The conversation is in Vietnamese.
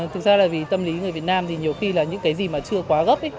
thực ra là vì tâm lý người việt nam thì nhiều khi là những cái gì mà chưa quá gấp